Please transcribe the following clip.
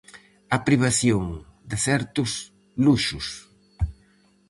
A privación de certos luxos.